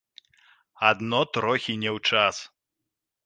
Адно трохі не ў час.